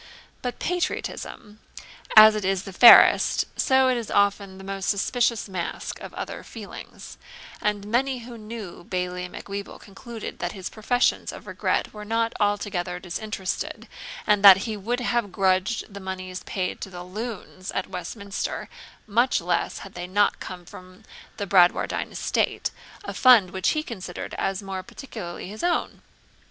But patriotism, as it is the fairest, so it is often the most suspicious mask of other feelings; and many who knew Bailie Macwheeble concluded that his professions of regret were not altogether disinterested, and that he would have grudged the moneys paid to the LOONS at Westminster much less had they not come from Bradwardine estate, a fund which he considered as more particularly his own.